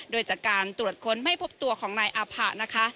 โดยจากการตรวจค้นไม่พบตัวของนายอาผะนะคะ